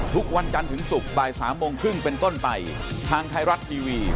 สวัสดีครับ